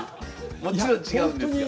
もちろん違うんですが。